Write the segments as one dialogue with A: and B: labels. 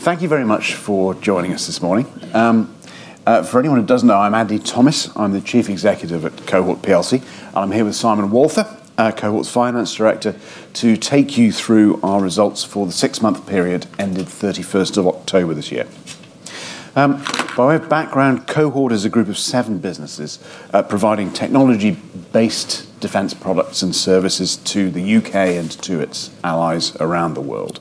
A: Thank you very much for joining us this morning. For anyone who doesn't know, I'm Andy Thomis. I'm the Chief Executive at Cohort PLC, and I'm here with Simon Walther, Cohort's Finance Director, to take you through our results for the six-month period ended 31 October this year. By way of background, Cohort is a group of seven businesses providing technology-based defence products and services to the U.K. and to its allies around the world.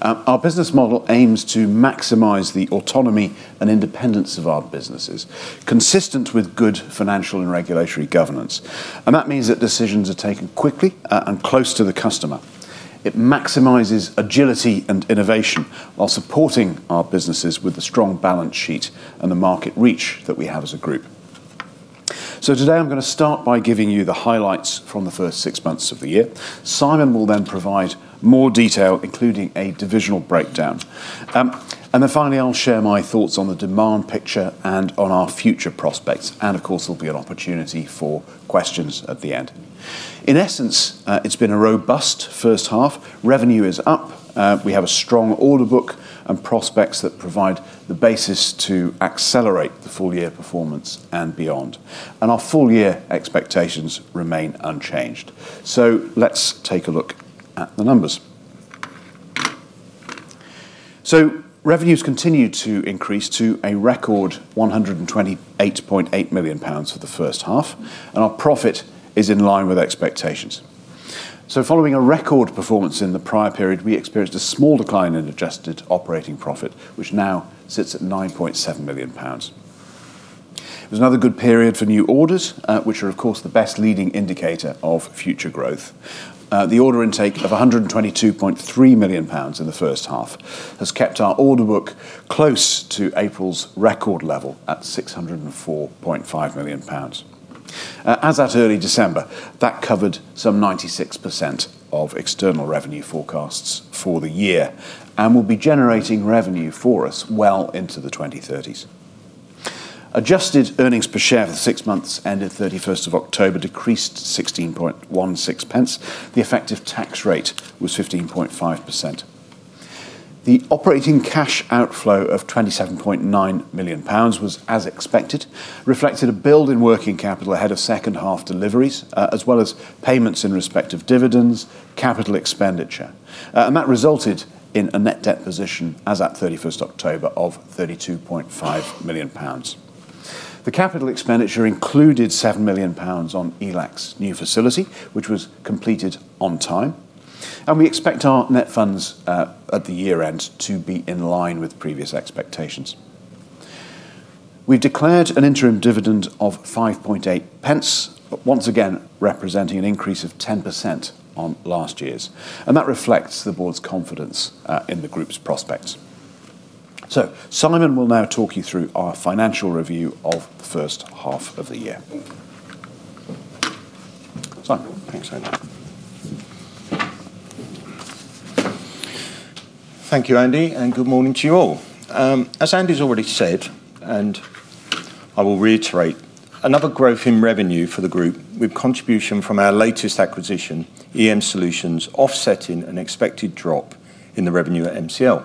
A: Our business model aims to maximize the autonomy and independence of our businesses, consistent with good financial and regulatory governance. And that means that decisions are taken quickly and close to the customer. It maximizes agility and innovation while supporting our businesses with the strong balance sheet and the market reach that we have as a group. So today I'm going to start by giving you the highlights from the first six months of the year. Simon will then provide more detail, including a divisional breakdown. And then finally, I'll share my thoughts on the demand picture and on our future prospects. And of course, there'll be an opportunity for questions at the end. In essence, it's been a robust first half. Revenue is up. We have a strong order book and prospects that provide the basis to accelerate the full-year performance and beyond. And our full-year expectations remain unchanged. So let's take a look at the numbers. So revenues continue to increase to a record 128.8 million pounds for the first half, and our profit is in line with expectations. So following a record performance in the prior period, we experienced a small decline in adjusted operating profit, which now sits at 9.7 million pounds. It was another good period for new orders, which are, of course, the best leading indicator of future growth. The order intake of £122.3 million in the first half has kept our order book close to April's record level at £604.5 million. As at early December, that covered some 96% of external revenue forecasts for the year and will be generating revenue for us well into the 2030s. Adjusted earnings per share for the six months ended 31 October decreased £0.1616. The effective tax rate was 15.5%. The operating cash outflow of £27.9 million was, as expected, reflected a build in working capital ahead of second half deliveries, as well as payments in respect of dividends, capital expenditure. That resulted in a net debt position as at 31 October of £32.5 million. The capital expenditure included £7 million on ELAC's new facility, which was completed on time. We expect our net funds at the year-end to be in line with previous expectations. We've declared an interim dividend of 0.058, once again representing an increase of 10% on last year's. And that reflects the board's confidence in the group's prospects. So Simon will now talk you through our financial review of the first half of the year. Simon, thanks very much.
B: Thank you, Andy, and good morning to you all. As Andy's already said, and I will reiterate, another growth in revenue for the group with contribution from our latest acquisition, EM Solutions, offsetting an expected drop in the revenue at MCL.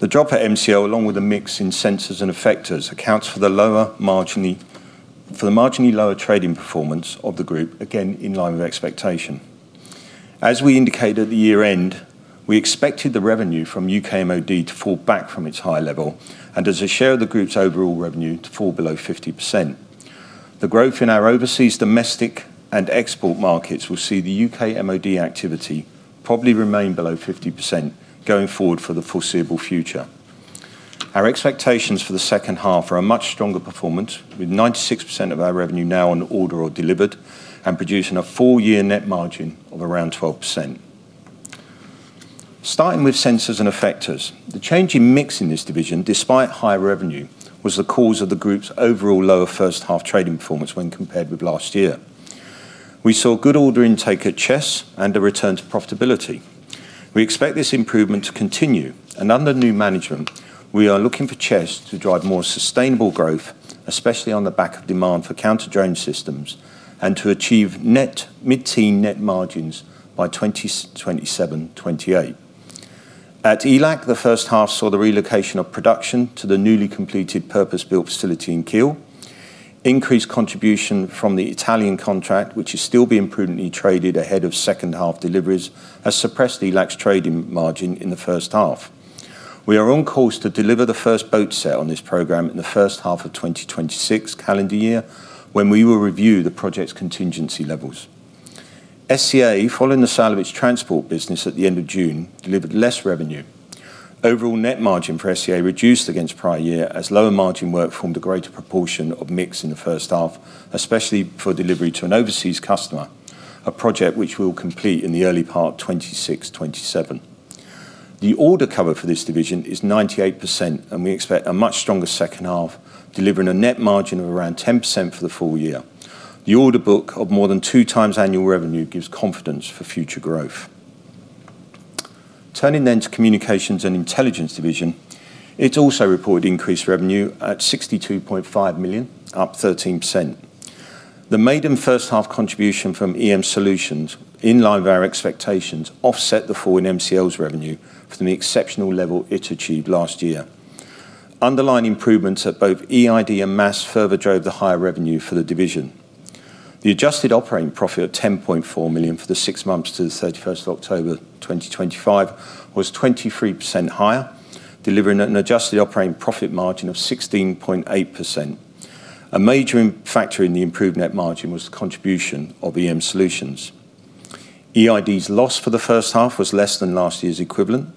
B: The drop at MCL, along with a mix in sensors and effectors, accounts for the marginally lower trading performance of the group, again in line with expectation. As we indicated at the year-end, we expected the revenue from U.K. MOD to fall back from its high level and as a share of the group's overall revenue to fall below 50%. The growth in our overseas, domestic, and export markets will see the U.K. MOD activity probably remain below 50% going forward for the foreseeable future. Our expectations for the second half are a much stronger performance, with 96% of our revenue now on order or delivered and producing a full-year net margin of around 12%. Starting with sensors and effectors, the change in mix in this division, despite high revenue, was the cause of the group's overall lower first half trading performance when compared with last year. We saw good order intake at Chess and a return to profitability. We expect this improvement to continue, and under new management, we are looking for Chess to drive more sustainable growth, especially on the back of demand for counter-drone systems and to achieve mid-teen net margins by 2027-2028. At ELAC, the first half saw the relocation of production to the newly completed purpose-built facility in Kiel. Increased contribution from the Italian contract, which is still being prudently traded ahead of second half deliveries, has suppressed ELAC's trading margin in the first half. We are on course to deliver the first boat sale on this program in the first half of 2026 calendar year when we will review the project's contingency levels. SEA, following the sale of transport business at the end of June, delivered less revenue. Overall net margin for SEA reduced against prior year as lower margin work formed a greater proportion of mix in the first half, especially for delivery to an overseas customer, a project which we will complete in the early part of 26-27. The order cover for this division is 98%, and we expect a much stronger second half, delivering a net margin of around 10% for the full year. The order book of more than two times annual revenue gives confidence for future growth. Turning then to communications and intelligence division, it's also reported increased revenue at 62.5 million, up 13%. The maiden first-half contribution from EM Solutions, in line with our expectations, offset the fall in MCL's revenue from the exceptional level it achieved last year. Underlying improvements at both EID and MASS further drove the higher revenue for the division. The adjusted operating profit of 10.4 million for the six months to 31st October 2025 was 23% higher, delivering an adjusted operating profit margin of 16.8%. A major factor in the improved net margin was the contribution of EM Solutions. EID's loss for the first half was less than last year's equivalent.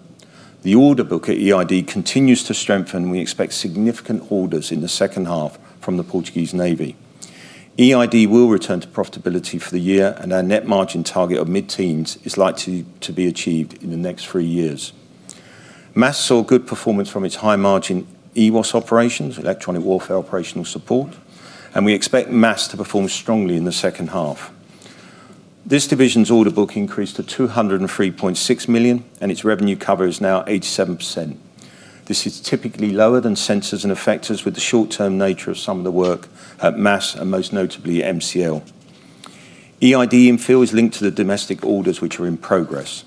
B: The order book at EID continues to strengthen, and we expect significant orders in the second half from the Portuguese Navy. EID will return to profitability for the year, and our net margin target of mid-teens is likely to be achieved in the next three years. MASS saw good performance from its high margin EWOS operations, electronic warfare operational support, and we expect MASS to perform strongly in the second half. This division's order book increased to £203.6 million, and its revenue cover is now 87%. This is typically lower than sensors and effectors with the short-term nature of some of the work at MASS and most notably MCL. EID infill is linked to the domestic orders which are in progress.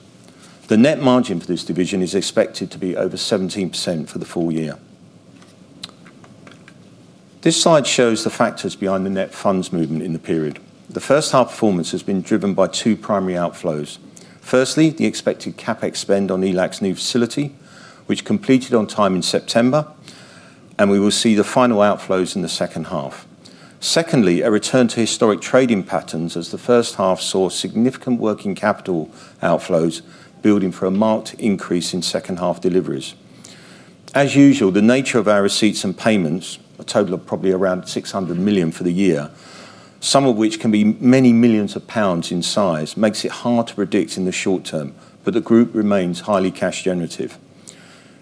B: The net margin for this division is expected to be over 17% for the full year. This slide shows the factors behind the net funds movement in the period. The first half performance has been driven by two primary outflows. Firstly, the expected CapEx spend on ELAC's new facility, which completed on time in September, and we will see the final outflows in the second half. Secondly, a return to historic trading patterns as the first half saw significant working capital outflows building for a marked increase in second half deliveries. As usual, the nature of our receipts and payments, a total of probably around £600 million for the year, some of which can be many millions of pounds in size, makes it hard to predict in the short term, but the group remains highly cash generative.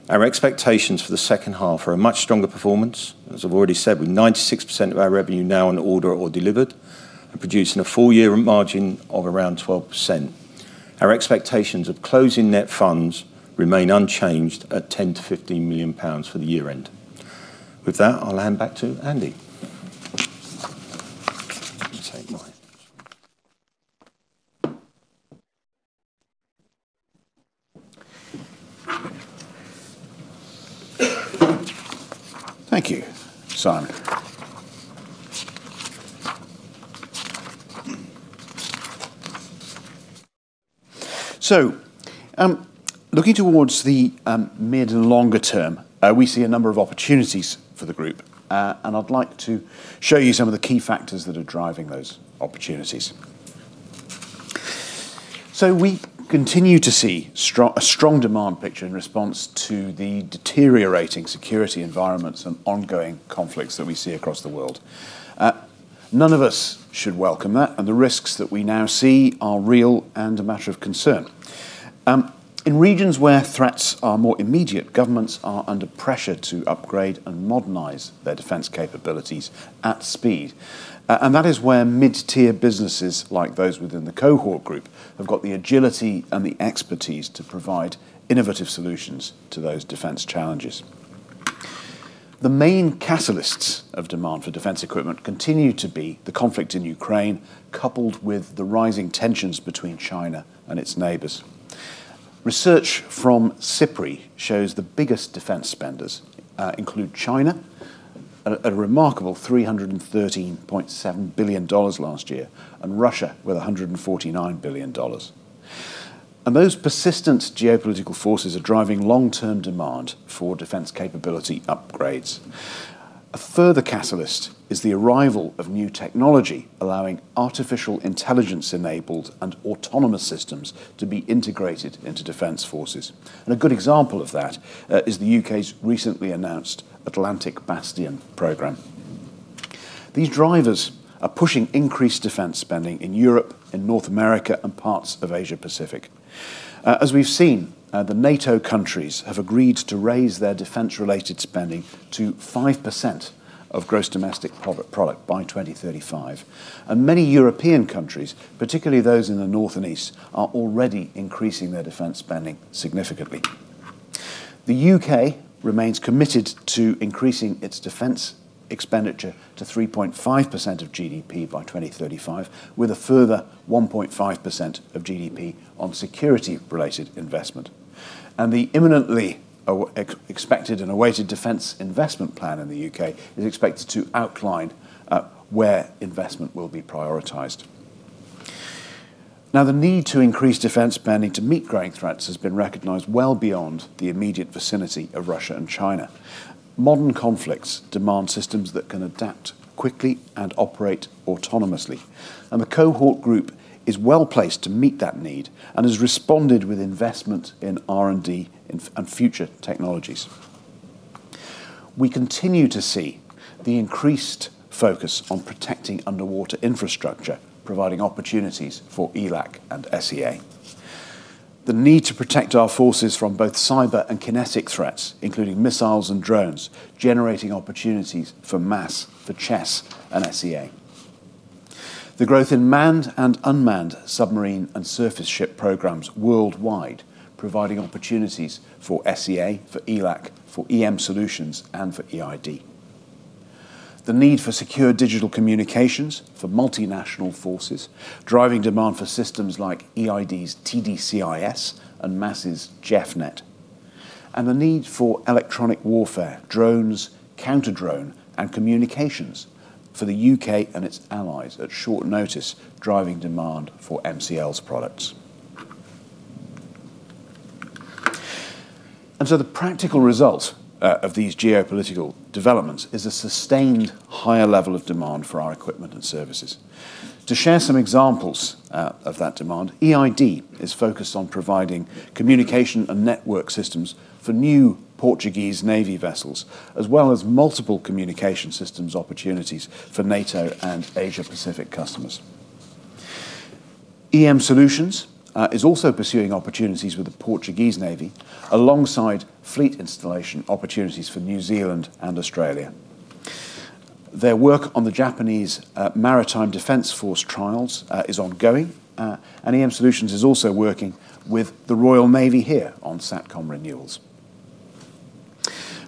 B: Our expectations for the second half are a much stronger performance. As I've already said, with 96% of our revenue now on order or delivered and producing a full-year margin of around 12%, our expectations of closing net funds remain unchanged at £10 to £15 million for the year-end. With that, I'll hand back to Andy.
A: Thank you, Simon. So looking towards the mid and longer term, we see a number of opportunities for the group, and I'd like to show you some of the key factors that are driving those opportunities. So we continue to see a strong demand picture in response to the deteriorating security environments and ongoing conflicts that we see across the world. None of us should welcome that, and the risks that we now see are real and a matter of concern. In regions where threats are more immediate, governments are under pressure to upgrade and modernize their defence capabilities at speed. And that is where mid-tier businesses like those within the Cohort group have got the agility and the expertise to provide innovative solutions to those defence challenges. The main catalysts of demand for defence equipment continue to be the conflict in Ukraine, coupled with the rising tensions between China and its neighbors. Research from SIPRI shows the biggest defence spenders include China, at a remarkable $313.7 billion last year, and Russia with $149 billion. And those persistent geopolitical forces are driving long-term demand for defence capability upgrades. A further catalyst is the arrival of new technology, allowing artificial intelligence-enabled and autonomous systems to be integrated into defence forces. And a good example of that is the U.K.'s recently announced Atlantic Bastion program. These drivers are pushing increased defence spending in Europe, in North America, and parts of Asia-Pacific. As we've seen, the NATO countries have agreed to raise their defence-related spending to 5% of gross domestic product by 2035. And many European countries, particularly those in the north and east, are already increasing their defence spending significantly. The U.K. remains committed to increasing its defence expenditure to 3.5% of GDP by 2035, with a further 1.5% of GDP on security-related investment. And the imminently expected and awaited defence investment plan in the U.K. is expected to outline where investment will be prioritized. Now, the need to increase defence spending to meet growing threats has been recognized well beyond the immediate vicinity of Russia and China. Modern conflicts demand systems that can adapt quickly and operate autonomously. And the Cohort group is well placed to meet that need and has responded with investment in R&D and future technologies. We continue to see the increased focus on protecting underwater infrastructure, providing opportunities for ELAC and SEA. The need to protect our forces from both cyber and kinetic threats, including missiles and drones, generating opportunities for MASS, for Chess, and SEA. The growth in manned and unmanned submarine and surface ship programs worldwide, providing opportunities for SEA, for ELAC, for EM Solutions, and for EID. The need for secure digital communications for multinational forces, driving demand for systems like EID's TDCIS and MASS's JEF-Net. And the need for electronic warfare, drones, counter-drone, and communications for the U.K. and its allies at short notice, driving demand for MCL's products. And so the practical result of these geopolitical developments is a sustained higher level of demand for our equipment and services. To share some examples of that demand, EID is focused on providing communication and network systems for new Portuguese Navy vessels, as well as multiple communication systems opportunities for NATO and Asia-Pacific customers. EM Solutions is also pursuing opportunities with the Portuguese Navy, alongside fleet installation opportunities for New Zealand and Australia. Their work on the Japanese Maritime Defence Force trials is ongoing, and EM Solutions is also working with the Royal Navy here on SATCOM renewals,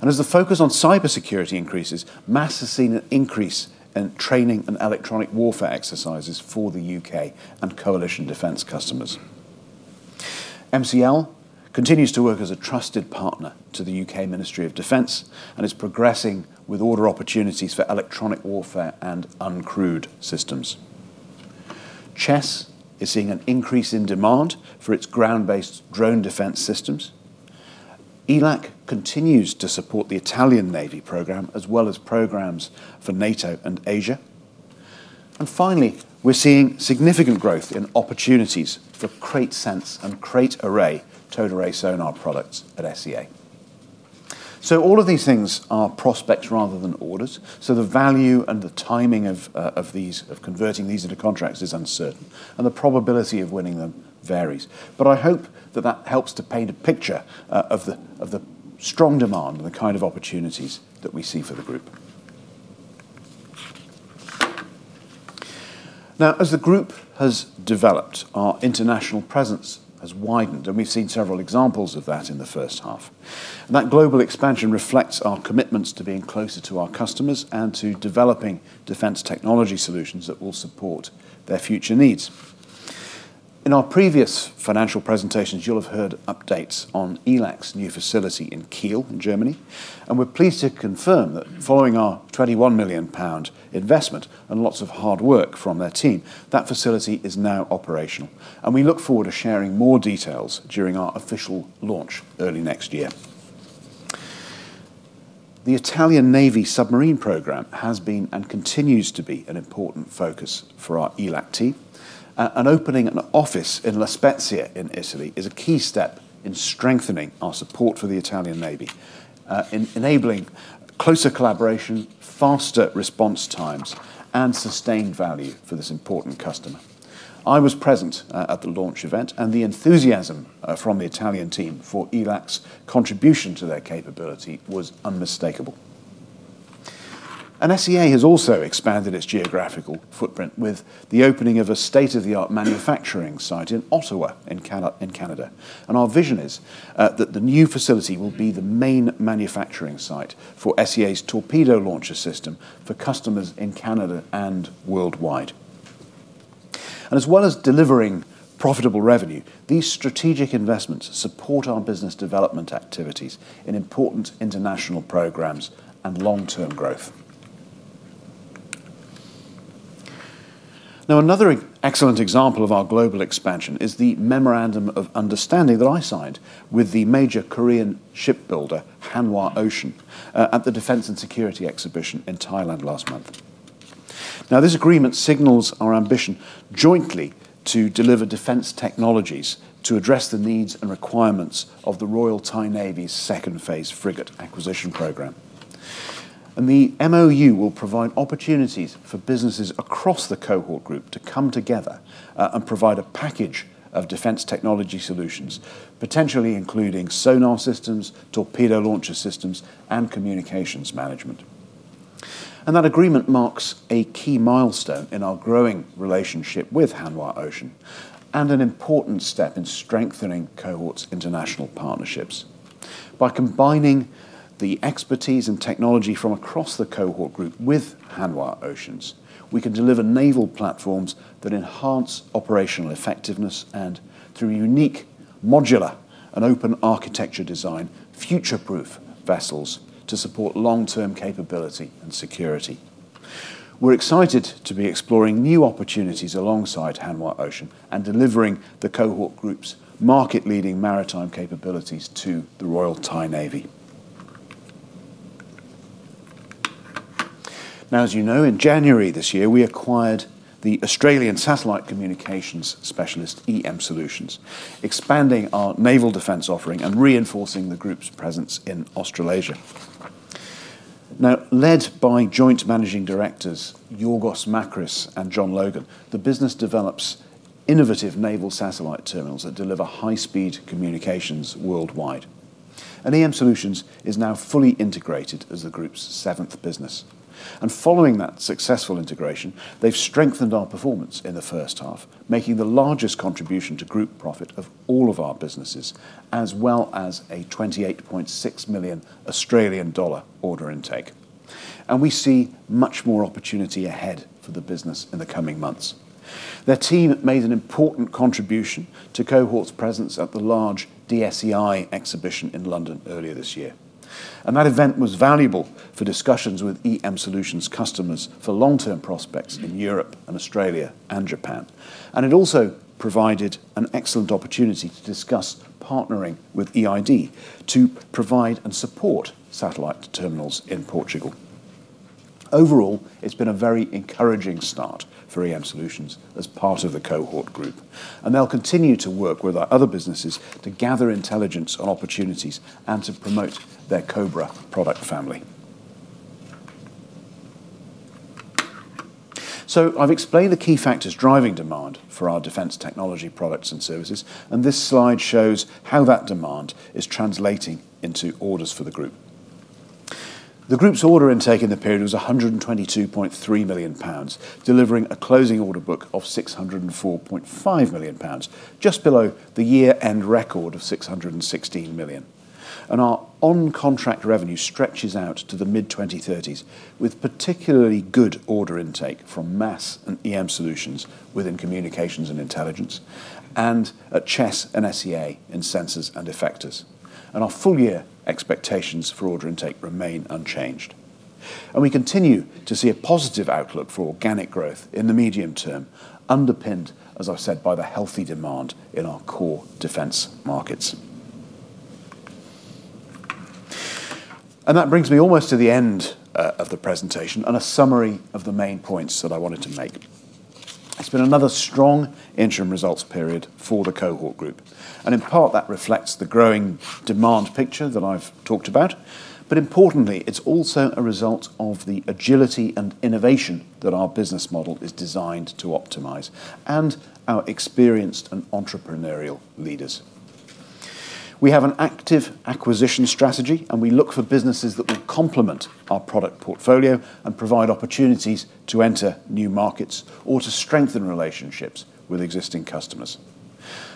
A: and as the focus on cyber security increases, MASS has seen an increase in training and electronic warfare exercises for the U.K. and coalition defence customers. MCL continues to work as a trusted partner to the U.K. Ministry of Defence and is progressing with order opportunities for electronic warfare and uncrewed systems. Chess is seeing an increase in demand for its ground-based drone defence systems. ELAC continues to support the Italian Navy program, as well as programs for NATO and Asia, and finally, we're seeing significant growth in opportunities for KraitSense and KraitArray, towed array sonar products at SEA, so all of these things are prospects rather than orders. The value and the timing of converting these into contracts is uncertain, and the probability of winning them varies. I hope that that helps to paint a picture of the strong demand and the kind of opportunities that we see for the group. Now, as the group has developed, our international presence has widened, and we've seen several examples of that in the first half. That global expansion reflects our commitments to being closer to our customers and to developing defence technology solutions that will support their future needs. In our previous financial presentations, you'll have heard updates on ELAC's new facility in Kiel in Germany. We're pleased to confirm that following our 21 million pound investment and lots of hard work from their team, that facility is now operational. We look forward to sharing more details during our official launch early next year. The Italian Navy submarine program has been and continues to be an important focus for our ELAC team. Opening an office in La Spezia in Italy is a key step in strengthening our support for the Italian Navy, enabling closer collaboration, faster response times, and sustained value for this important customer. I was present at the launch event, and the enthusiasm from the Italian team for ELAC's contribution to their capability was unmistakable. SEA has also expanded its geographical footprint with the opening of a state-of-the-art manufacturing site in Ottawa in Canada. Our vision is that the new facility will be the main manufacturing site for SEA's torpedo launcher system for customers in Canada and worldwide. As well as delivering profitable revenue, these strategic investments support our business development activities in important international programmes and long-term growth. Now, another excellent example of our global expansion is the memorandum of understanding that I signed with the major Korean shipbuilder Hanwha Ocean at the Defence and Security Exhibition in Thailand last month. Now, this agreement signals our ambition jointly to deliver defence technologies to address the needs and requirements of the Royal Thai Navy's second phase frigate acquisition program, and the MOU will provide opportunities for businesses across the Cohort group to come together and provide a package of defence technology solutions, potentially including sonar systems, torpedo launcher systems, and communications management, and that agreement marks a key milestone in our growing relationship with Hanwha Ocean and an important step in strengthening Cohort's international partnerships. By combining the expertise and technology from across the Cohort group with Hanwha Ocean, we can deliver naval platforms that enhance operational effectiveness and, through unique modular and open architecture design, future-proof vessels to support long-term capability and security. We're excited to be exploring new opportunities alongside Hanwha Ocean and delivering the Cohort group's market-leading maritime capabilities to the Royal Thai Navy. Now, as you know, in January this year, we acquired the Australian satellite communications specialist EM Solutions, expanding our naval defence offering and reinforcing the group's presence in Australasia. Now, led by Joint Managing Directors Georgios Makris and John Logan, the business develops innovative naval satellite terminals that deliver high-speed communications worldwide, and EM Solutions is now fully integrated as the group's seventh business. Following that successful integration, they've strengthened our performance in the first half, making the largest contribution to group profit of all of our businesses, as well as a $28.6 million Australian dollar order intake. We see much more opportunity ahead for the business in the coming months. Their team made an important contribution to Cohort's presence at the large DSEI exhibition in London earlier this year. That event was valuable for discussions with EM Solutions customers for long-term prospects in Europe and Australia and Japan. It also provided an excellent opportunity to discuss partnering with EID to provide and support satellite terminals in Portugal. Overall, it's been a very encouraging start for EM Solutions as part of the Cohort group. They'll continue to work with our other businesses to gather intelligence on opportunities and to promote their Cobra product family. So I've explained the key factors driving demand for our defence technology products and services, and this slide shows how that demand is translating into orders for the group. The group's order intake in the period was £122.3 million, delivering a closing order book of £604.5 million, just below the year-end record of £616 million. And our on-contract revenue stretches out to the mid-2030s, with particularly good order intake from MASS and EM Solutions within communications and intelligence, and chess and SEA in sensors and effectors. And our full-year expectations for order intake remain unchanged. And we continue to see a positive outlook for organic growth in the medium term, underpinned, as I've said, by the healthy demand in our core defence markets. And that brings me almost to the end of the presentation and a summary of the main points that I wanted to make. It's been another strong interim results period for the Cohort Group, and in part, that reflects the growing demand picture that I've talked about, but importantly, it's also a result of the agility and innovation that our business model is designed to optimize and our experienced and entrepreneurial leaders. We have an active acquisition strategy, and we look for businesses that will complement our product portfolio and provide opportunities to enter new markets or to strengthen relationships with existing customers,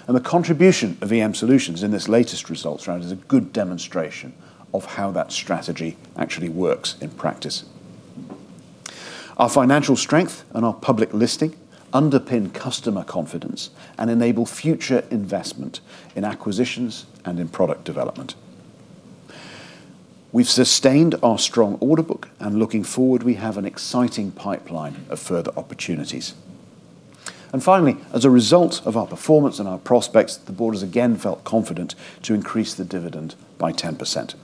A: and the contribution of EM Solutions in this latest results round is a good demonstration of how that strategy actually works in practice. Our financial strength and our public listing underpin customer confidence and enable future investment in acquisitions and in product development. We've sustained our strong order book, and looking forward, we have an exciting pipeline of further opportunities. And finally, as a result of our performance and our prospects, the board has again felt confident to increase the dividend by 10%.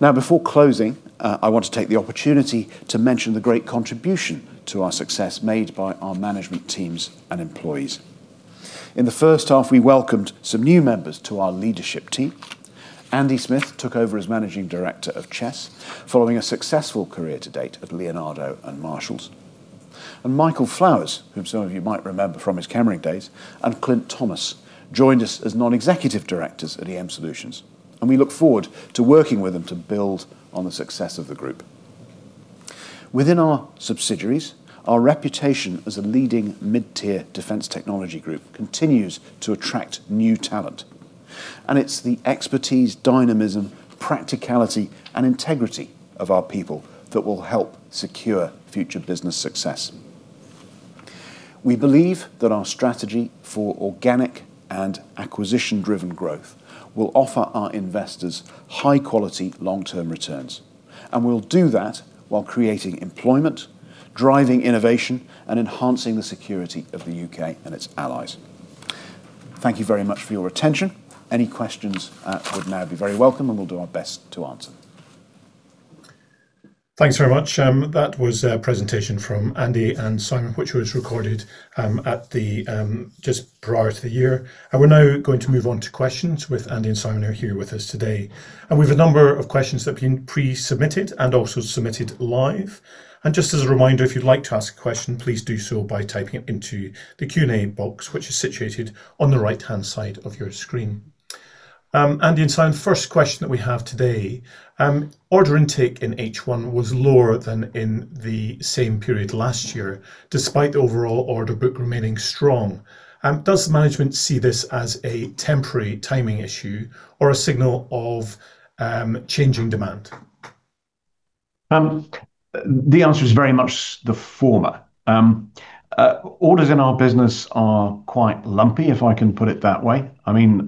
A: Now, before closing, I want to take the opportunity to mention the great contribution to our success made by our management teams and employees. In the first half, we welcomed some new members to our leadership team. Andy Smith took over as Managing Director of Chess, following a successful career to date at Leonardo and Marshalls. And Michael Flowers, whom some of you might remember from his Chemring days, and Clint Thomas joined us as non-executive directors at EM Solutions. And we look forward to working with them to build on the success of the group. Within our subsidiaries, our reputation as a leading mid-tier defence technology group continues to attract new talent. And it's the expertise, dynamism, practicality, and integrity of our people that will help secure future business success. We believe that our strategy for organic and acquisition-driven growth will offer our investors high-quality long-term returns. And we'll do that while creating employment, driving innovation, and enhancing the security of the U.K. and its allies. Thank you very much for your attention. Any questions would now be very welcome, and we'll do our best to answer.
C: Thanks very much. That was a presentation from Andy and Simon, which was recorded just prior to the year. And we're now going to move on to questions with Andy and Simon who are here with us today. And we have a number of questions that have been pre-submitted and also submitted live. And just as a reminder, if you'd like to ask a question, please do so by typing it into the Q&A box, which is situated on the right-hand side of your screen. Andy and Simon, first question that we have today, order intake in H1 was lower than in the same period last year, despite the overall order book remaining strong. Does management see this as a temporary timing issue or a signal of changing demand?
A: The answer is very much the former. Orders in our business are quite lumpy, if I can put it that way. I mean,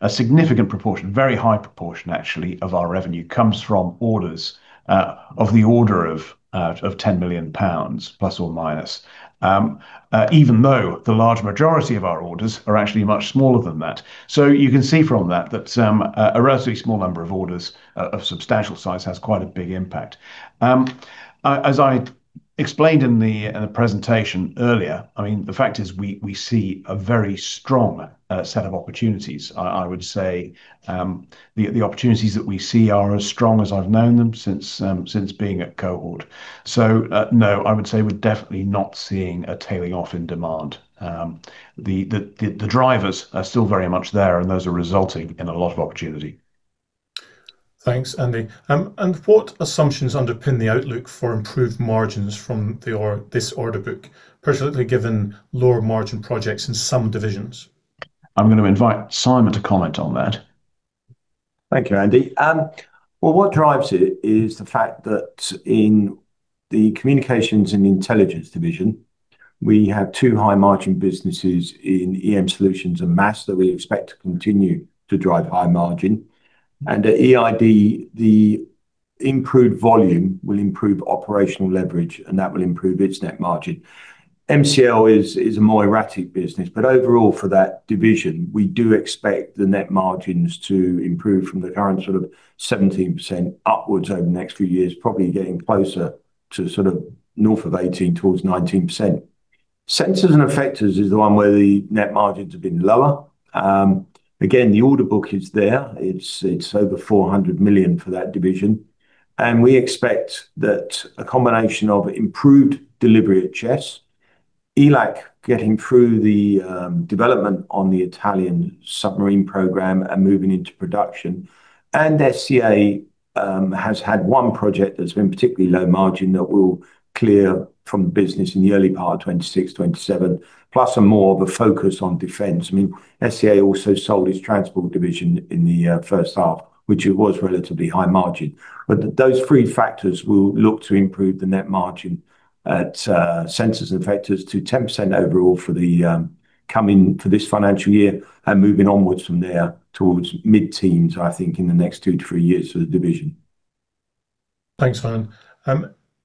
A: a significant proportion, very high proportion actually, of our revenue comes from orders of the order of £10 million, plus or minus, even though the large majority of our orders are actually much smaller than that. So you can see from that that a relatively small number of orders of substantial size has quite a big impact. As I explained in the presentation earlier, I mean, the fact is we see a very strong set of opportunities. I would say the opportunities that we see are as strong as I've known them since being at Cohort. So no, I would say we're definitely not seeing a tailing off in demand. The drivers are still very much there, and those are resulting in a lot of opportunity.
C: Thanks, Andy. And what assumptions underpin the outlook for improved margins from this order book, particularly given lower margin projects in some divisions?
A: I'm going to invite Simon to comment on that.
B: Thank you, Andy. What drives it is the fact that in the communications and intelligence division, we have two high-margin businesses in EM Solutions and MASS that we expect to continue to drive high margin. And at EID, the improved volume will improve operational leverage, and that will improve its net margin. MCL is a more erratic business, but overall for that division, we do expect the net margins to improve from the current sort of 17% upwards over the next few years, probably getting closer to sort of north of 18% towards 19%. Sensors and effectors is the one where the net margins have been lower. Again, the order book is there. It's over £400 million for that division. And we expect that a combination of improved delivery at Chess, ELAC getting through the development on the Italian submarine program and moving into production, and SEA has had one project that's been particularly low margin that will clear from the business in the early part of 2026, 2027, plus and more of a focus on defence. I mean, SEA also sold its transport division in the first half, which was relatively high margin. But those three factors will look to improve the net margin at sensors and effectors to 10% overall for this financial year and moving onwards from there towards mid-teens, I think, in the next two to three years for the division.
C: Thanks, Simon.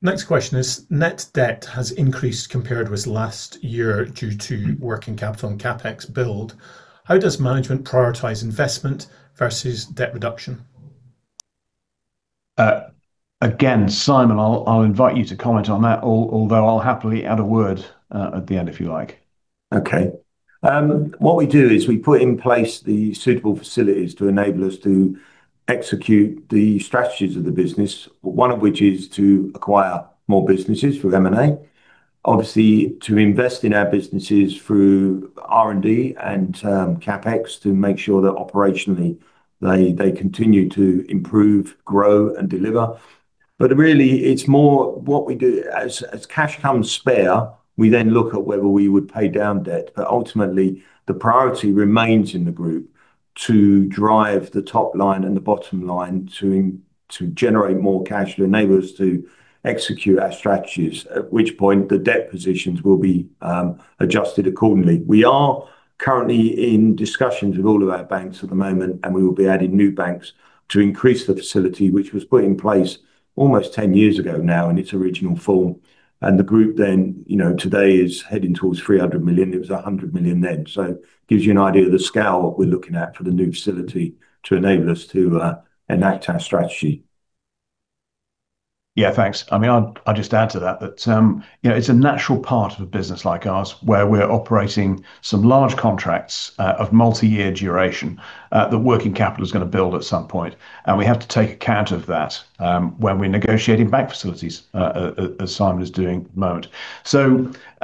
C: Next question is, net debt has increased compared with last year due to working capital and CapEx build. How does management prioritize investment versus debt reduction?
A: Again, Simon, I'll invite you to comment on that, although I'll happily add a word at the end if you like.
B: Okay. What we do is we put in place the suitable facilities to enable us to execute the strategies of the business, one of which is to acquire more businesses through M&A, obviously to invest in our businesses through R&D and CapEx to make sure that operationally they continue to improve, grow, and deliver. But really, it's more what we do as cash comes spare, we then look at whether we would pay down debt. But ultimately, the priority remains in the group to drive the top line and the bottom line to generate more cash to enable us to execute our strategies, at which point the debt positions will be adjusted accordingly. We are currently in discussions with all of our banks at the moment, and we will be adding new banks to increase the facility, which was put in place almost 10 years ago now in its original form, and the group then, you know, today is heading towards £300 million. It was £100 million then. So it gives you an idea of the scale we're looking at for the new facility to enable us to enact our strategy.
A: Yeah, thanks. I mean, I'll just add to that that it's a natural part of a business like ours where we're operating some large contracts of multi-year duration that working capital is going to build at some point, and we have to take account of that when we're negotiating bank facilities, as Simon is doing at the moment.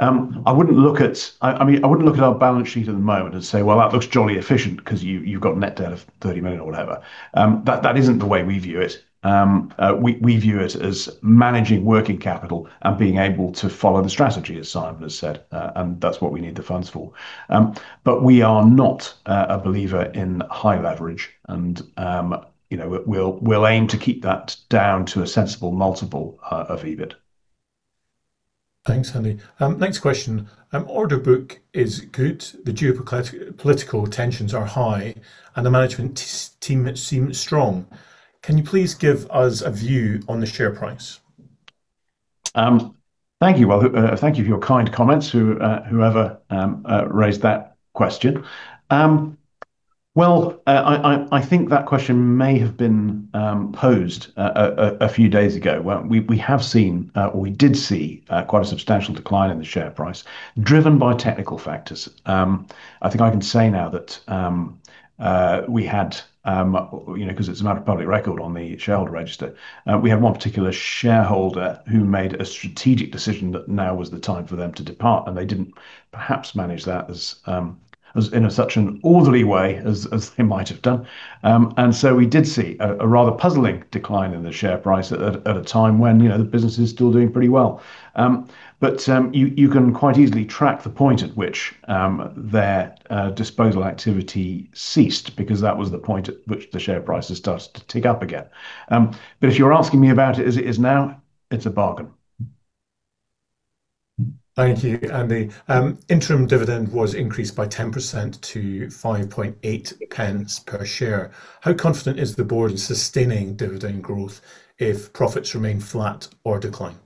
A: I wouldn't look at, I mean, I wouldn't look at our balance sheet at the moment and say, well, that looks jolly efficient because you've got net debt of 30 million or whatever. That isn't the way we view it. We view it as managing working capital and being able to follow the strategy, as Simon has said, and that's what we need the funds for. But we are not a believer in high leverage, and we'll aim to keep that down to a sensible multiple of EBIT.
C: Thanks, Andy. Next question. Order book is good. The geopolitical tensions are high, and the management team seems strong. Can you please give us a view on the share price?
A: Thank you. Well, thank you for your kind comments to whoever raised that question. Well, I think that question may have been posed a few days ago. We have seen, or we did see, quite a substantial decline in the share price driven by technical factors. I think I can say now that we had, you know, because it's a matter of public record on the shareholder register, we had one particular shareholder who made a strategic decision that now was the time for them to depart. They didn't perhaps manage that in such an orderly way as they might have done. We did see a rather puzzling decline in the share price at a time when, you know, the business is still doing pretty well. You can quite easily track the point at which their disposal activity ceased because that was the point at which the share prices started to tick up again. If you're asking me about it as it is now, it's a bargain.
C: Thank you, Andy. Interim dividend was increased by 10% to 5.8 per share. How confident is the board in sustaining dividend growth if profits remain flat or decline?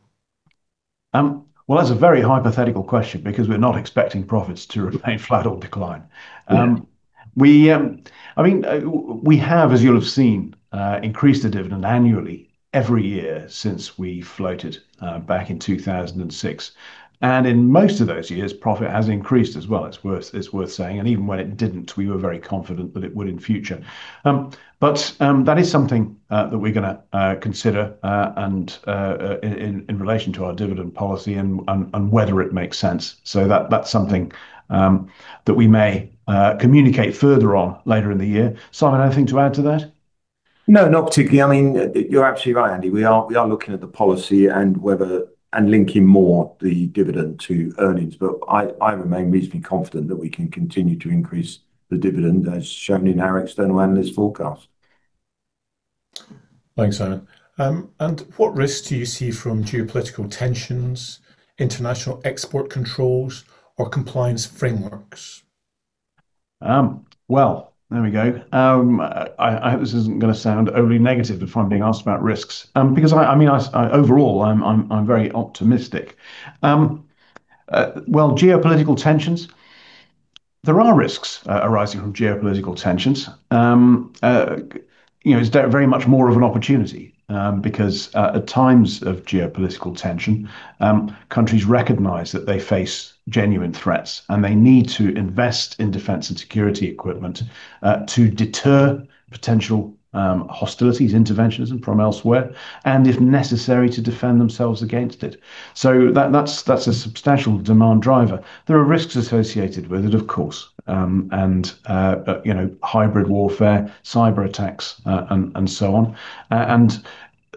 A: That's a very hypothetical question because we're not expecting profits to remain flat or decline. I mean, we have, as you'll have seen, increased the dividend annually every year since we floated back in 2006. In most of those years, profit has increased as well. It's worth saying. Even when it didn't, we were very confident that it would in future. But that is something that we're going to consider in relation to our dividend policy and whether it makes sense. That's something that we may communicate further on later in the year. Simon, anything to add to that?
B: No, not particularly. I mean, you're absolutely right, Andy. We are looking at the policy and linking more the dividend to earnings. But I remain reasonably confident that we can continue to increase the dividend as shown in our external analyst forecast.
C: Thanks, Simon. And what risks do you see from geopolitical tensions, international export controls, or compliance frameworks?
A: Well, there we go. I hope this isn't going to sound overly negative if I'm being asked about risks. Because I mean, overall, I'm very optimistic. Well, geopolitical tensions. There are risks arising from geopolitical tensions. It's very much more of an opportunity because at times of geopolitical tension, countries recognize that they face genuine threats, and they need to invest in defence and security equipment to deter potential hostilities, interventionism from elsewhere, and if necessary, to defend themselves against it. So that's a substantial demand driver. There are risks associated with it, of course, and hybrid warfare, cyber attacks, and so on. And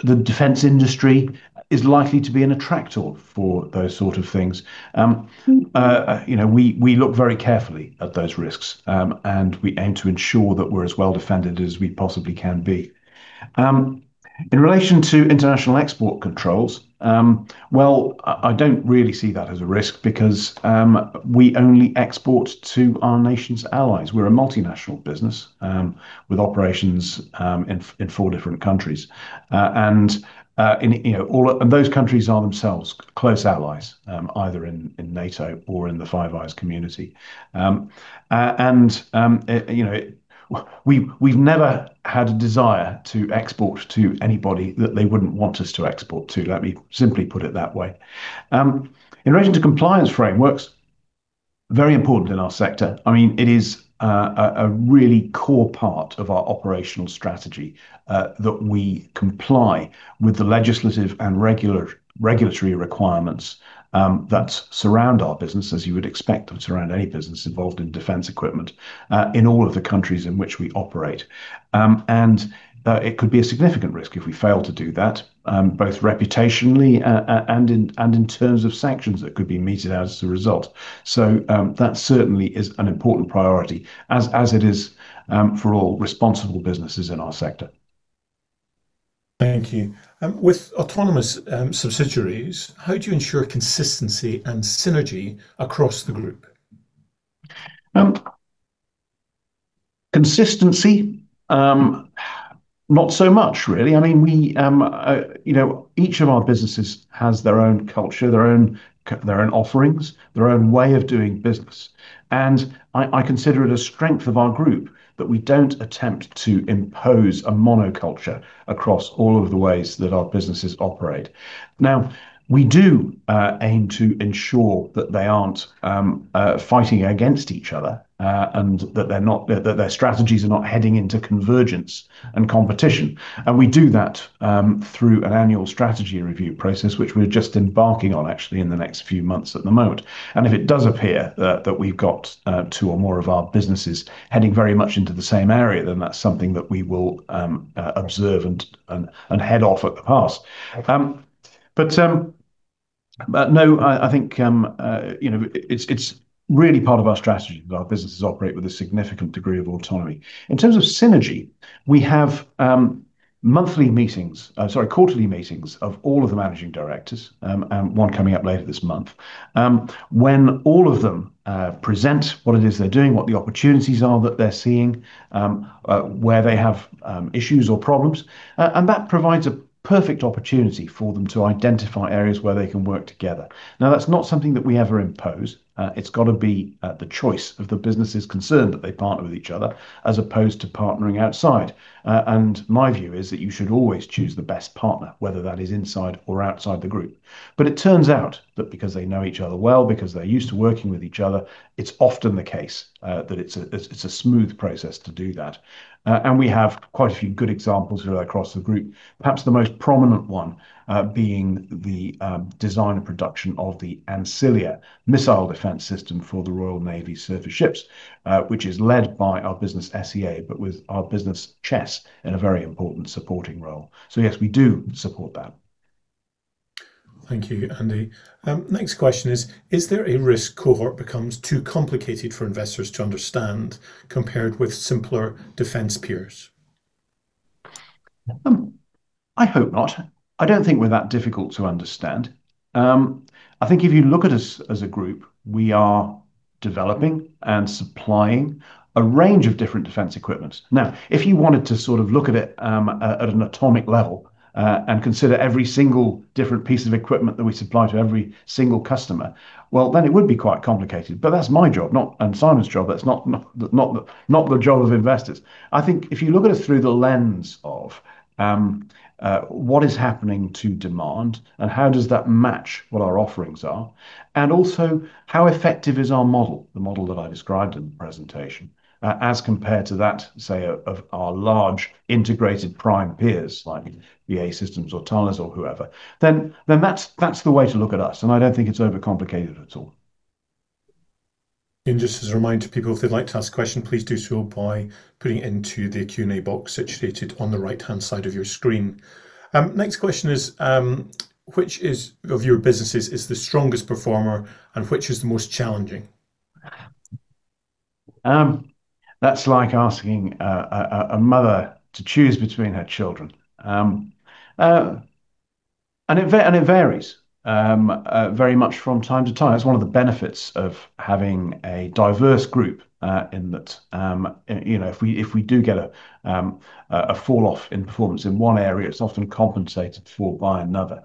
A: the defence industry is likely to be an attractor for those sort of things. We look very carefully at those risks, and we aim to ensure that we're as well defended as we possibly can be. In relation to international export controls, well, I don't really see that as a risk because we only export to our nation's allies. We're a multinational business with operations in four different countries. And those countries are themselves close allies, either in NATO or in the Five Eyes community. And we've never had a desire to export to anybody that they wouldn't want us to export to, let me simply put it that way. In relation to compliance frameworks, very important in our sector. I mean, it is a really core part of our operational strategy that we comply with the legislative and regulatory requirements that surround our business, as you would expect them to surround any business involved in defence equipment in all of the countries in which we operate. And it could be a significant risk if we fail to do that, both reputationally and in terms of sanctions that could be meted out as a result. So that certainly is an important priority, as it is for all responsible businesses in our sector.
C: Thank you. With autonomous subsidiaries, how do you ensure consistency and synergy across the group?
A: Consistency, not so much, really. I mean, each of our businesses has their own culture, their own offerings, their own way of doing business. I consider it a strength of our group that we don't attempt to impose a monoculture across all of the ways that our businesses operate. Now, we do aim to ensure that they aren't fighting against each other and that their strategies are not heading into convergence and competition. We do that through an annual strategy review process, which we're just embarking on, actually, in the next few months at the moment. If it does appear that we've got two or more of our businesses heading very much into the same area, then that's something that we will observe and head off at the pass. No, I think it's really part of our strategy that our businesses operate with a significant degree of autonomy. In terms of synergy, we have monthly meetings, sorry, quarterly meetings of all of the managing directors, one coming up later this month, when all of them present what it is they're doing, what the opportunities are that they're seeing, where they have issues or problems. And that provides a perfect opportunity for them to identify areas where they can work together. Now, that's not something that we ever impose. It's got to be the choice of the businesses concerned that they partner with each other as opposed to partnering outside. And my view is that you should always choose the best partner, whether that is inside or outside the group. But it turns out that because they know each other well, because they're used to working with each other, it's often the case that it's a smooth process to do that. And we have quite a few good examples across the group, perhaps the most prominent one being the design and production of the Ancilia missile defence system for the Royal Navy surface ships, which is led by our business SEA, but with our business Chess in a very important supporting role. So yes, we do support that.
C: Thank you, Andy. Next question is, is there a risk Cohort becomes too complicated for investors to understand compared with simpler defence peers?
A: I hope not. I don't think we're that difficult to understand. I think if you look at us as a group, we are developing and supplying a range of different defence equipment. Now, if you wanted to sort of look at it at an atomic level and consider every single different piece of equipment that we supply to every single customer, well, then it would be quite complicated. But that's my job, not Simon's job. That's not the job of investors. I think if you look at it through the lens of what is happening to demand and how does that match what our offerings are, and also how effective is our model, the model that I described in the presentation, as compared to that, say, of our large integrated prime peers like BAE Systems or Thales or whoever, then that's the way to look at us. And I don't think it's overcomplicated at all.
C: And just as a reminder to people, if they'd like to ask a question, please do so by putting it into the Q&A box situated on the right-hand side of your screen. Next question is, which of your businesses is the strongest performer and which is the most challenging?
A: That's like asking a mother to choose between her children. And it varies very much from time to time. That's one of the benefits of having a diverse group in that if we do get a falloff in performance in one area, it's often compensated for by another.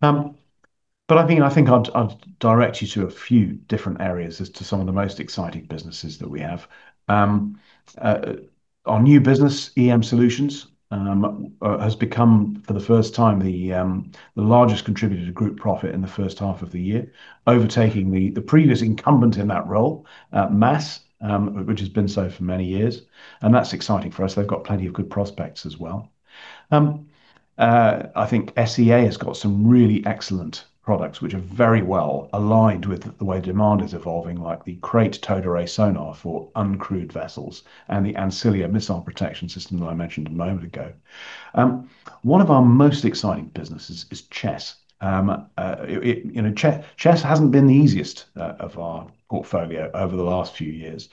A: But I think I'd direct you to a few different areas as to some of the most exciting businesses that we have. Our new business, EM Solutions, has become for the first time the largest contributor to group profit in the first half of the year, overtaking the previous incumbent in that role, MASS, which has been so for many years. And that's exciting for us. They've got plenty of good prospects as well. I think SEA has got some really excellent products which are very well aligned with the way demand is evolving, like the KraitArray sonar for uncrewed vessels and the Ancilia missile protection system that I mentioned a moment ago. One of our most exciting businesses is Chess. Chess hasn't been the easiest of our portfolio over the last few years.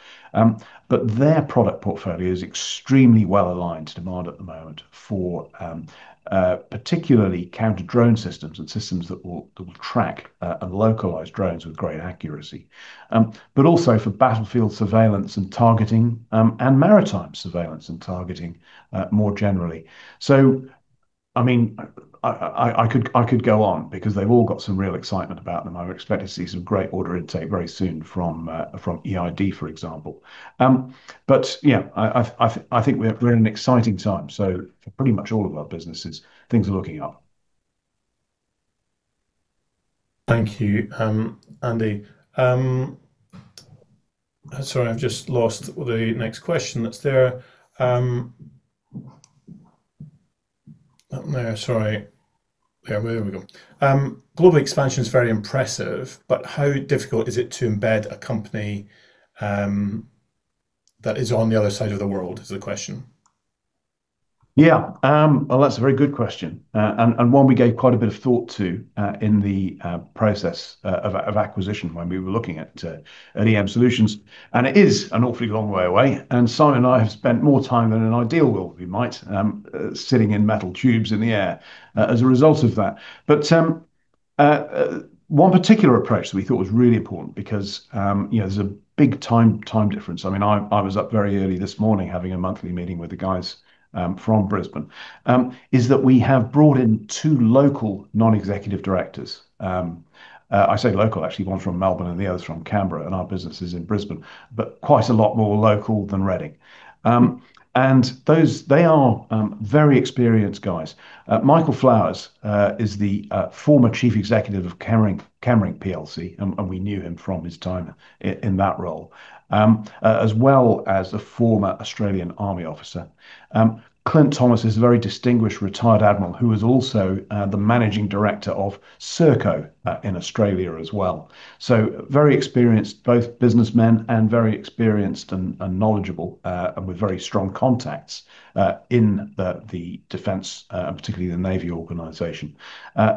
A: But their product portfolio is extremely well aligned to demand at the moment for particularly counter-drone systems and systems that will track and localize drones with great accuracy, but also for battlefield surveillance and targeting and maritime surveillance and targeting more generally. So I mean, I could go on because they've all got some real excitement about them. I would expect to see some great order intake very soon from EID, for example. But yeah, I think we're in an exciting time. So for pretty much all of our businesses, things are looking up.
C: Thank you, Andy. Sorry, I've just lost the next question that's there. Sorry. There we go. Global expansion is very impressive, but how difficult is it to embed a company that is on the other side of the world is the question.
A: Yeah. Well, that's a very good question. And one we gave quite a bit of thought to in the process of acquisition when we were looking at EM Solutions. And it is an awfully long way away. And Simon and I have spent more time than an ideal world we might sitting in metal tubes in the air as a result of that. But one particular approach that we thought was really important because there's a big time difference. I mean, I was up very early this morning having a monthly meeting with the guys from Brisbane in that we have brought in two local non-executive directors. I say local, actually, one from Melbourne and the other's from Canberra, and our business is in Brisbane, but quite a lot more local than Reading. And they are very experienced guys. Michael Flowers is the former chief executive of Chemring PLC, and we knew him from his time in that role, as well as a former Australian Army officer. Clint Thomas is a very distinguished retired admiral who is also the managing director of Serco in Australia as well. So very experienced, both businessmen and very experienced and knowledgeable, and with very strong contacts in the defence, particularly the Navy organization.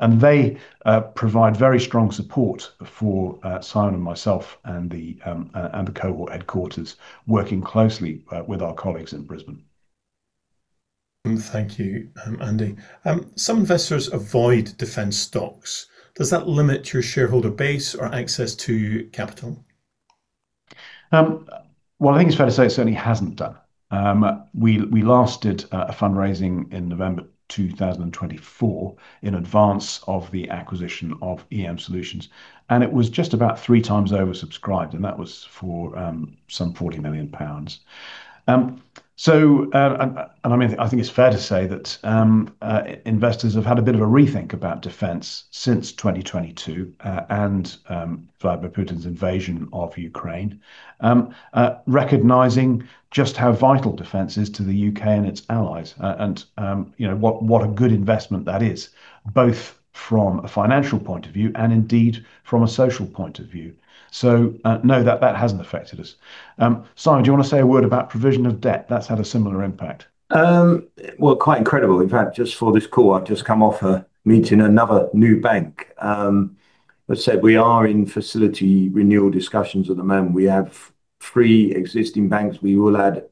A: They provide very strong support for Simon and myself and the Cohort headquarters working closely with our colleagues in Brisbane.
C: Thank you, Andy. Some investors avoid defence stocks. Does that limit your shareholder base or access to capital?
A: I think it's fair to say it certainly hasn't done. We last did a fundraising in November 2024 in advance of the acquisition of EM Solutions. It was just about three times oversubscribed, and that was for some 40 million pounds. I think it's fair to say that investors have had a bit of a rethink about defence since 2022 and Vladimir Putin's invasion of Ukraine, recognizing just how vital defence is to the U.K. and its allies and what a good investment that is, both from a financial point of view and indeed from a social point of view. No, that hasn't affected us. Simon, do you want to say a word about provision of debt? That's had a similar impact.
B: Well, quite incredible. In fact, just for this call, I've just come off a meeting with another new bank. As I said, we are in facility renewal discussions at the moment. We have three existing banks. We will add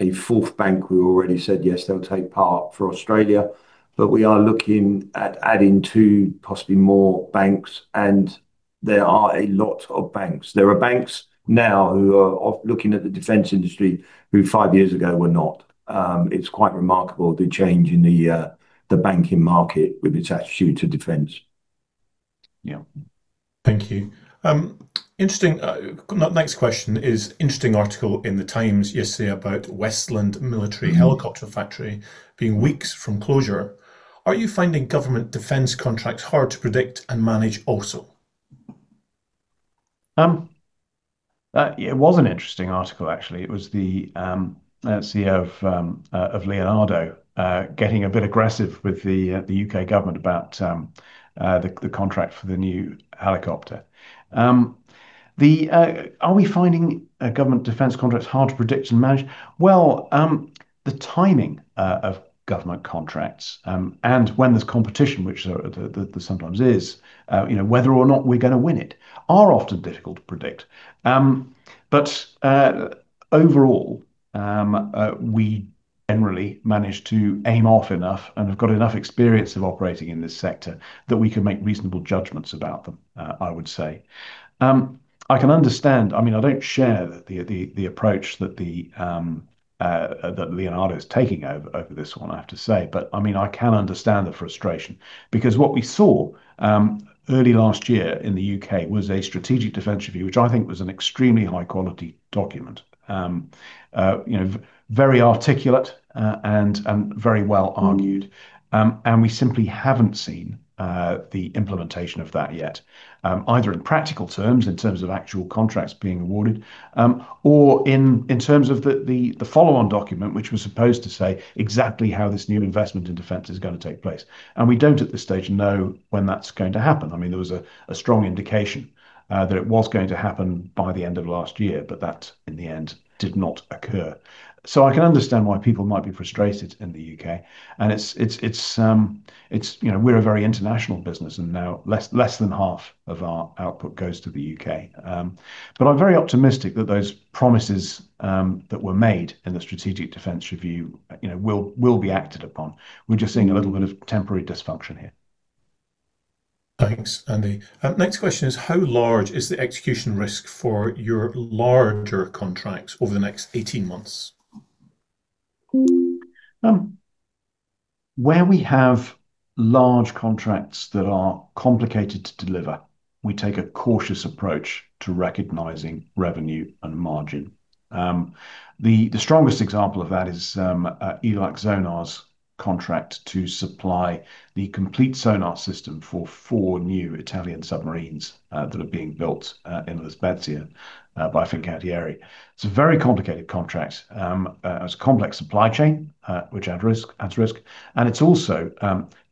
B: a fourth bank. We already said yes, they'll take part for Australia. But we are looking at adding two, possibly more banks. And there are a lot of banks. There are banks now who are looking at the defence industry who five years ago were not. It's quite remarkable the change in the banking market with its attitude to defence. Yeah.
C: Thank you. Next question is an interesting article in The Times yesterday about Westland Military Helicopter Factory being weeks from closure. Are you finding government defence contracts hard to predict and manage also?
A: It was an interesting article, actually. It was the CEO of Leonardo getting a bit aggressive with the U.K. government about the contract for the new helicopter. Are we finding government defence contracts hard to predict and manage? Well, the timing of government contracts and when there's competition, which there sometimes is, whether or not we're going to win it are often difficult to predict. But overall, we generally manage to aim off enough and have got enough experience of operating in this sector that we can make reasonable judgments about them, I would say. I can understand. I mean, I don't share the approach that Leonardo is taking over this one, I have to say. But I mean, I can understand the frustration because what we saw early last year in the U.K. was a Strategic Defence Review, which I think was an extremely high-quality document, very articulate and very well argued. And we simply haven't seen the implementation of that yet, either in practical terms in terms of actual contracts being awarded or in terms of the follow-on document, which was supposed to say exactly how this new investment in defence is going to take place. And we don't at this stage know when that's going to happen. I mean, there was a strong indication that it was going to happen by the end of last year, but that in the end did not occur. So I can understand why people might be frustrated in the U.K. We're a very international business, and now less than half of our output goes to the U.K. I'm very optimistic that those promises that were made in the Strategic Defence Review will be acted upon. We're just seeing a little bit of temporary dysfunction here.
C: Thanks, Andy. Next question is, how large is the execution risk for your larger contracts over the next 18 months?
A: Where we have large contracts that are complicated to deliver, we take a cautious approach to recognizing revenue and margin. The strongest example of that is ELAC Sonar's contract to supply the complete sonar system for four new Italian submarines that are being built in La Spezia by Fincantieri. It's a very complicated contract. It's a complex supply chain, which adds risk. And it's also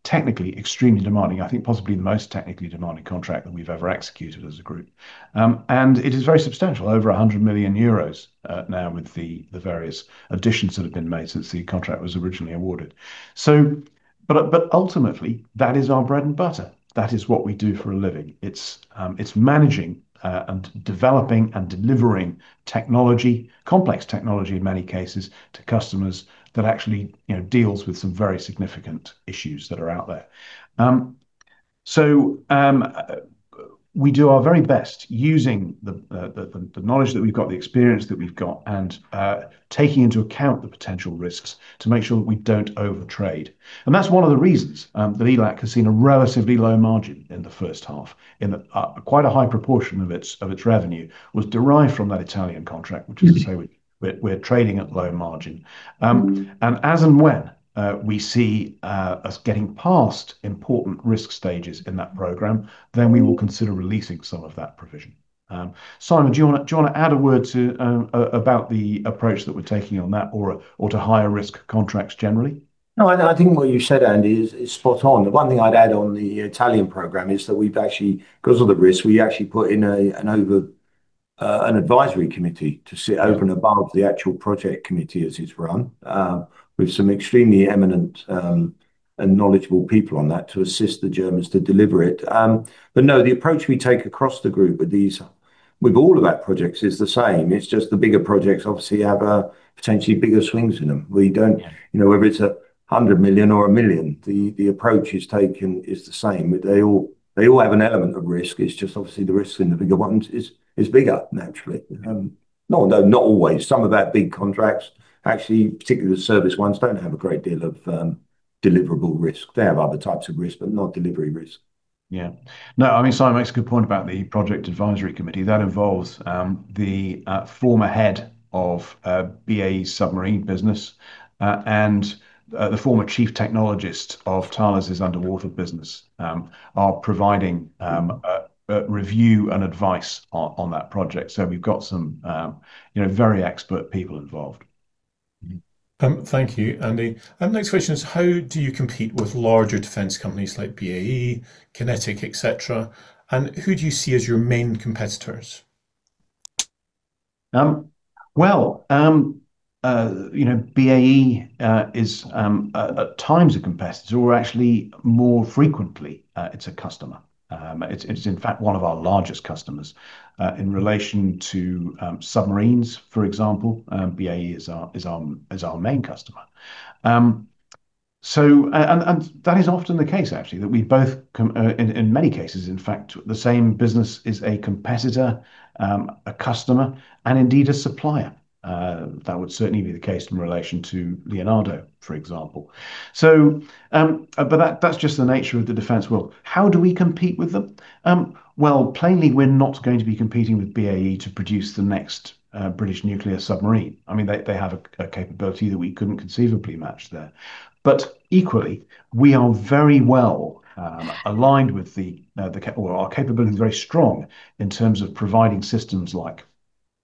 A: technically extremely demanding. I think possibly the most technically demanding contract that we've ever executed as a group. And it is very substantial, over 100 million euros now with the various additions that have been made since the contract was originally awarded. But ultimately, that is our bread and butter. That is what we do for a living. It's managing and developing and delivering technology, complex technology in many cases, to customers that actually deals with some very significant issues that are out there. So we do our very best using the knowledge that we've got, the experience that we've got, and taking into account the potential risks to make sure that we don't overtrade. And that's one of the reasons that ELAC has seen a relatively low margin in the first half. Quite a high proportion of its revenue was derived from that Italian contract, which is to say we're trading at low margin. As and when we see us getting past important risk stages in that program, then we will consider releasing some of that provision. Simon, do you want to add a word about the approach that we're taking on that or to higher risk contracts generally?
B: No, I think what you said, Andy, is spot on. The one thing I'd add on the Italian program is that we've actually, because of the risk, we actually put in an advisory committee to sit open about the actual project committee as it's run with some extremely eminent and knowledgeable people on that to assist the Germans to deliver it. But no, the approach we take across the group with all of our projects is the same. It's just the bigger projects obviously have potentially bigger swings in them. Whether it's a €100 million or a million, the approach is taken is the same. They all have an element of risk. It's just obviously the risk in the bigger ones is bigger, naturally. Not always. Some of our big contracts, actually, particularly the service ones, don't have a great deal of deliverable risk. They have other types of risk, but not delivery risk.
A: Yeah. No, I mean, Simon makes a good point about the project advisory committee. That involves the former head of BAE submarine business and the former chief technologist of Thales's underwater business are providing review and advice on that project. So we've got some very expert people involved.
C: Thank you, Andy. Next question is, how do you compete with larger defence companies like BAE, QinetiQ, etc.? And who do you see as your main competitors?
A: BAE is at times a competitor, or actually more frequently, it's a customer. It's in fact one of our largest customers in relation to submarines, for example. BAE is our main customer. And that is often the case, actually, that we both, in many cases, in fact, the same business is a competitor, a customer, and indeed a supplier. That would certainly be the case in relation to Leonardo, for example. But that's just the nature of the defence world. How do we compete with them? Plainly, we're not going to be competing with BAE to produce the next British nuclear submarine. I mean, they have a capability that we couldn't conceivably match there. But equally, we are very well aligned with the capability, very strong in terms of providing systems like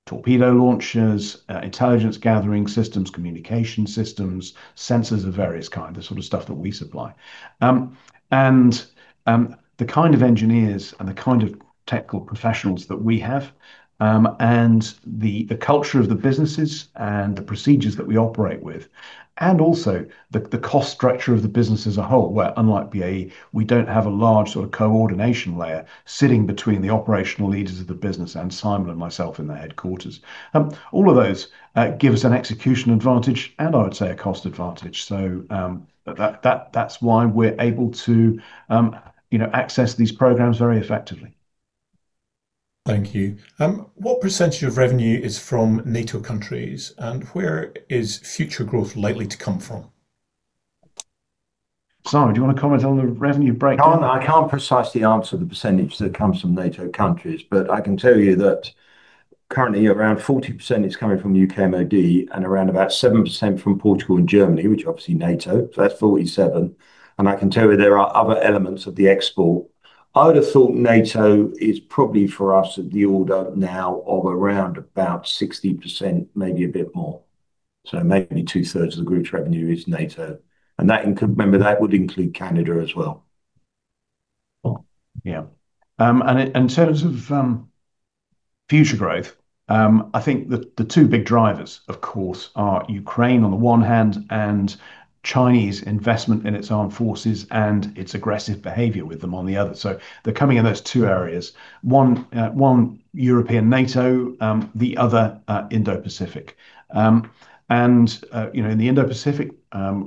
A: torpedo launchers, intelligence gathering systems, communication systems, sensors of various kinds, the sort of stuff that we supply. And the kind of engineers and the kind of technical professionals that we have and the culture of the businesses and the procedures that we operate with, and also the cost structure of the business as a whole, where unlike BAE, we don't have a large sort of coordination layer sitting between the operational leaders of the business and Simon and myself in the headquarters. All of those give us an execution advantage and, I would say, a cost advantage. So that's why we're able to access these programs very effectively.
C: Thank you. What percentage of revenue is from NATO countries, and where is future growth likely to come from?
A: Simon, do you want to comment on the revenue breakdown?
B: I can't precisely answer the percentage that comes from NATO countries, but I can tell you that currently around 40% is coming from U.K. and EU and around about 7% from Portugal and Germany, which are obviously NATO. So that's 47%. I can tell you there are other elements of the export. I would have thought NATO is probably for us of the order of around about 60%, maybe a bit more. Maybe two-thirds of the group's revenue is NATO. Remember, that would include Canada as well.
A: Yeah. In terms of future growth, I think the two big drivers, of course, are Ukraine on the one hand and Chinese investment in its armed forces and its aggressive behaviour with them on the other. They're coming in those two areas. One European NATO, the other Indo-Pacific. And in the Indo-Pacific,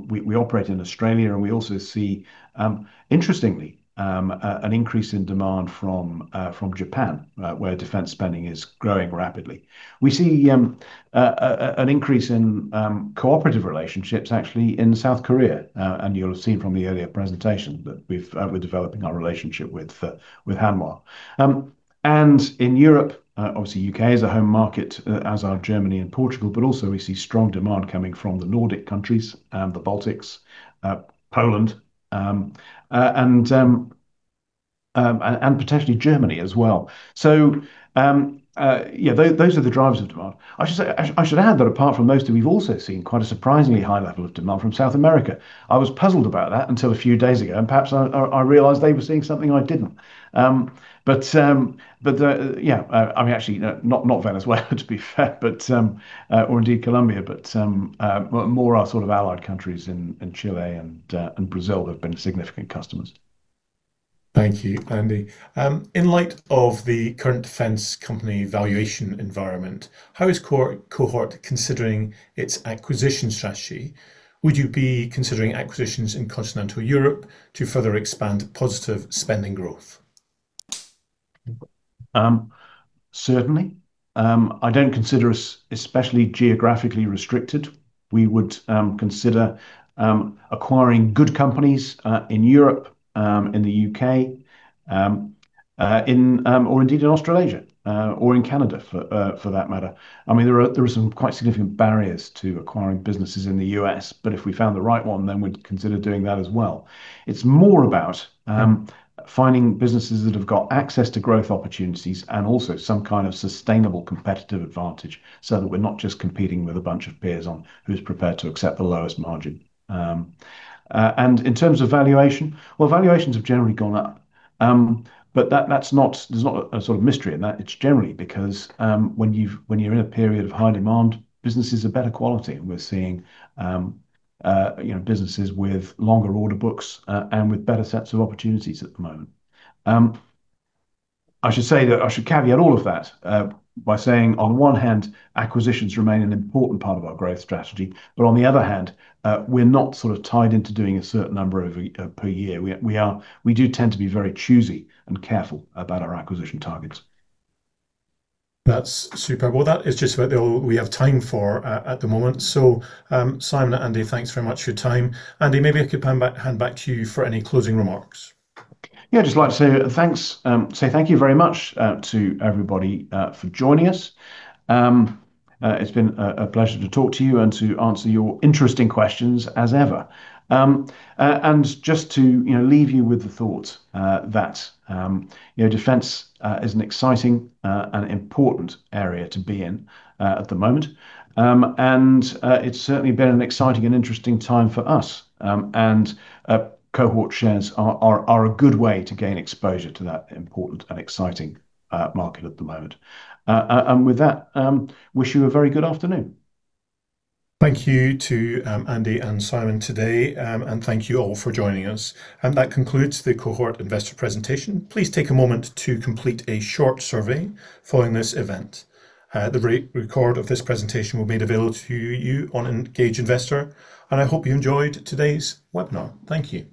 A: we operate in Australia, and we also see, interestingly, an increase in demand from Japan, where defence spending is growing rapidly. We see an increase in cooperative relationships, actually, in South Korea. And you'll have seen from the earlier presentation that we're developing our relationship with Hanwha. And in Europe, obviously, U.K. is a home market, as are Germany and Portugal, but also we see strong demand coming from the Nordic countries and the Baltics, Poland, and potentially Germany as well. So yeah, those are the drivers of demand. I should add that apart from those, we've also seen quite a surprisingly high level of demand from South America. I was puzzled about that until a few days ago, and perhaps I realized they were seeing something I didn't. But yeah, I mean, actually, not Venezuela, to be fair, or indeed Colombia, but more our sort of allied countries in Chile and Brazil have been significant customers.
C: Thank you, Andy. In light of the current defence company valuation environment, how is Cohort considering its acquisition strategy? Would you be considering acquisitions in continental Europe to further expand positive spending growth?
A: Certainly. I don't consider us especially geographically restricted. We would consider acquiring good companies in Europe, in the U.K., or indeed in Australasia, or in Canada, for that matter. I mean, there are some quite significant barriers to acquiring businesses in the U.S., but if we found the right one, then we'd consider doing that as well. It's more about finding businesses that have got access to growth opportunities and also some kind of sustainable competitive advantage so that we're not just competing with a bunch of peers on who's prepared to accept the lowest margin. And in terms of valuation, well, valuations have generally gone up. But there's not a sort of mystery in that. It's generally because when you're in a period of high demand, businesses are better quality. And we're seeing businesses with longer order books and with better sets of opportunities at the moment. I should caveat all of that by saying, on the one hand, acquisitions remain an important part of our growth strategy, but on the other hand, we're not sort of tied into doing a certain number per year. We do tend to be very choosy and careful about our acquisition targets.
C: That's superb. Well, that is just what we have time for at the moment. So Simon, Andy, thanks very much for your time. Andy, maybe I could hand back to you for any closing remarks.
A: Yeah, I'd just like to say thank you very much to everybody for joining us. It's been a pleasure to talk to you and to answer your interesting questions as ever. And just to leave you with the thought that defence is an exciting and important area to be in at the moment. And it's certainly been an exciting and interesting time for us. And Cohort shares are a good way to gain exposure to that important and exciting market at the moment. And with that, wish you a very good afternoon.
C: Thank you to Andy and Simon today, and thank you all for joining us. And that concludes the Cohort investor presentation. Please take a moment to complete a short survey following this event. The record of this presentation will be made available to you on Engage Investor, and I hope you enjoyed today's webinar. Thank you.